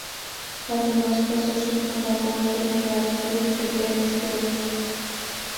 Además fue socio fundador del Real Club de Tenis de Oviedo.